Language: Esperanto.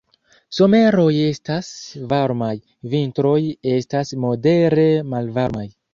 Someroj estas varmaj, vintroj estas modere malvarmaj.